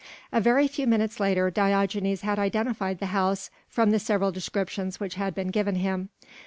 A very few minutes later Diogenes had identified the house from the several descriptions which had been given him.